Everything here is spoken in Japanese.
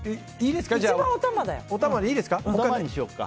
いいですか？